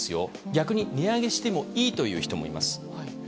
逆に値上げしてもいいという人もいます。